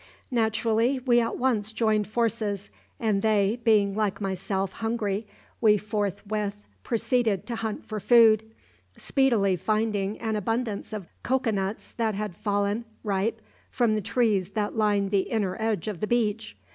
"Naturally we at once joined forces, and, they being like myself, hungry, we forthwith proceeded to hunt for food, speedily finding an abundance of cocoa nuts that had fallen, ripe, from the trees that lined the inner edge of the beach.